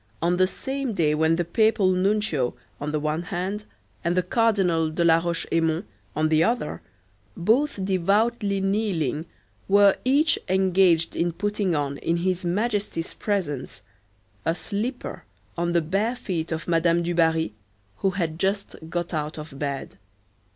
on the same day when the Papal Nuncio, on the one hand, and the Cardinal de la Roche Aymon on the other, both devoutly kneeling, were each engaged in putting on, in his Majesty's presence, a slipper on the bare feet of Madame du Barry, who had just got out of bed.